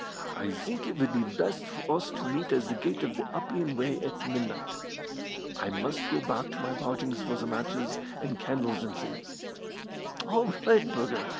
I think it would be best for us to meet at the Gate of the Appian Way at midnight. I must go back to my lodgings for the matches and candles and things." "All right, Burger!